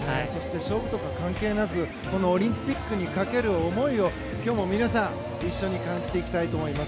勝負とか関係なくオリンピックにかける思いを今日も皆さん、一緒に感じていきたいと思います。